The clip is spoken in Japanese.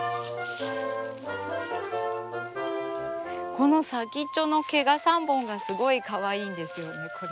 この先っちょの毛が３本がすごいかわいいんですよねこれ。